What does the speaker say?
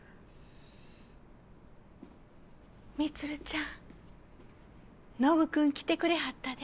充ちゃんノブ君来てくれはったで！